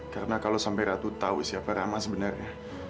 karena kalau sampai ratu tahu siapa rama sebenarnya